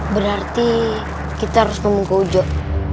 berarti kita harus memukul ujok